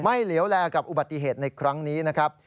เหลียวแลกับอุบัติเหตุในครั้งนี้นะครับ